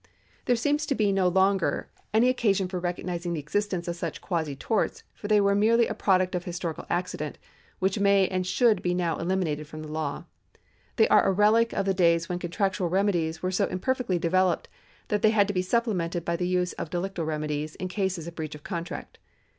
TluT(> seems to be no longer any occasion for recognising the existence of such quasi torts, for they were merely a product of historical accident, which may and should be now eliminated from the law. They are a relic of the days when contractual remedies were so imperfectly developed that they had to be supplemented by the use of delictal remedies in cases of breach of contract.